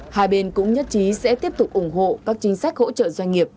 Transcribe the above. hai bên cũng nhất trí sẽ tiếp tục ủng hộ các chính sách hỗ trợ doanh nghiệp